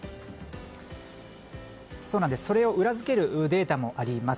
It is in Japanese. それを裏付けるデータもあります。